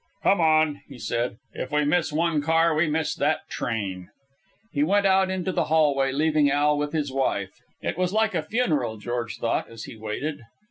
"Come on," he said. "If we miss one car, we miss that train." He went out into the hallway, leaving Al with his wife. It was like a funeral, George thought, as he waited.